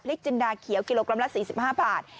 จินดาเขียวกิโลกรัมละ๔๕บาท